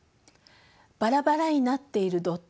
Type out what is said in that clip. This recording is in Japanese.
ばらばらになっているドット